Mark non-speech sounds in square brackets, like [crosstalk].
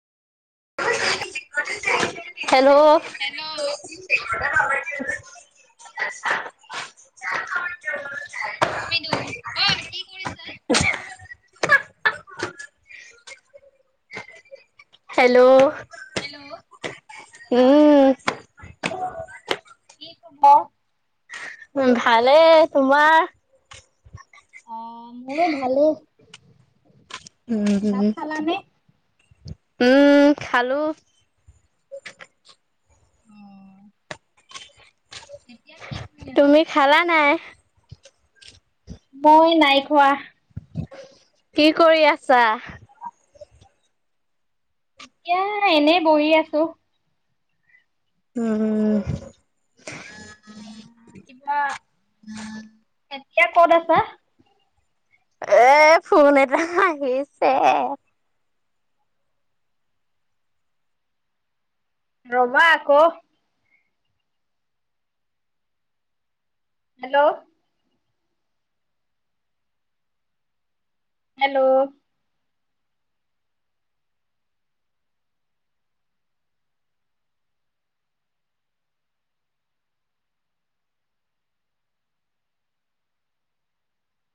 [unintelligible] Hello hello [unintelligible] [inaudible] [unintelligible] অ', কি কৰিছিলা? Hello hello উম, কি খব? উম, ভালে, তোমাৰ? অ, মোৰো ভালেই। ভাত উম, খালানে? [inaudible] উম, খালো। অ এতিয়া কি কৰি আছা? তুমি খালা নাই? মই নাই খোৱা। কি কৰি আছা? এতিয়া এনেই বহি আছো। উম, উম, কিবা, এতিয়া ক'ত আছা? এ ফোন এটা আহিছে ৰ'বা আকৌ' হেল্ল ' হেল্ল'